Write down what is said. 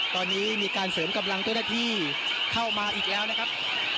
ตอนนี้มีการเสริมกำลังเจ้าหน้าที่เข้ามาอีกแล้วนะครับ